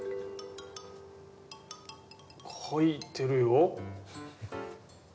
書いてるよ。